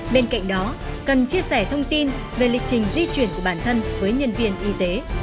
bên cạnh đó cần chia sẻ thông tin về lịch trình di chuyển của bản thân với nhân viên y tế